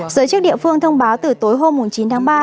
giới chức địa phương thông báo từ tối hôm chín tháng ba